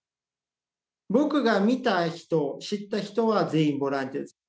僕が見た人知った人は全員ボランティアです。